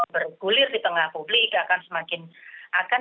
bergulir di tengah publik akan